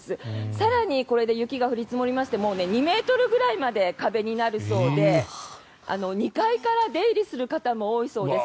更にこれで雪が降り積もりまして２ｍくらいまで壁になるそうで２階から出入りする方も多いそうです。